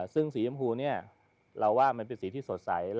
ซึ่งสีชมพูเนี่ยเราว่ามันเป็นสีที่สดใส